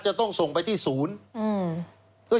จะต้องส่งไปที่ศูนย์